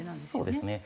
そうですね。